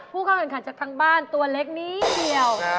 ผู้เข้าแข่งขันจากทางบ้านตัวเล็กนิดเดียว